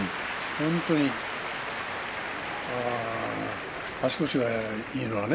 本当に足腰がいいのがね